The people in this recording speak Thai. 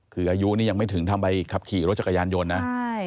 คืออายุนี่ยังไม่ถึงทำใบขับขี่รถจักรยานยนต์นะ